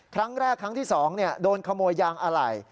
ครั้งแรกครั้งที่สองโดนขโมยยางอะไหล่